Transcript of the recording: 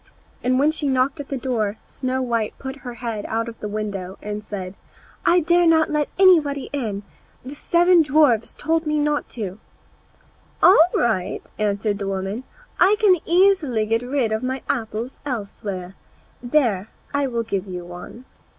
And when she knocked at the door Snow white put her head out of the window and said, "I dare not let anybody in; the seven dwarfs told me not." "All right," answered the woman; "I can easily get rid of my apples elsewhere. There, I will give you one."